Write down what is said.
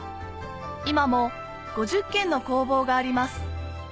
今も５０軒の工房があります